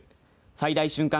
最大瞬間